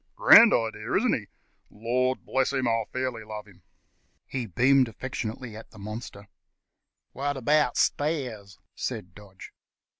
Grand idea, isn't he? Lor' bless you, I fairly love him." He beamed affectionately on his monster. "What about stairs?" said Dodge.